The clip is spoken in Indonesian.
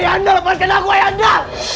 ayah anda lepaskan aku ayah anda